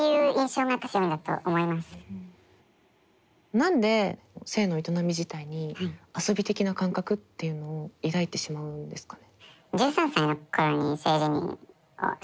何で性の営み自体に遊び的な感覚っていうのを抱いてしまうんですかね？